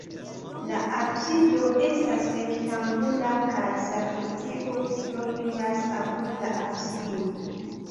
La absido estas rektangula kaj sakristio troviĝas apud la absido.